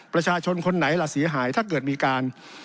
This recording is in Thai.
ประชาชนคนไหนล่ะเสียหายถ้าเกิดมีการ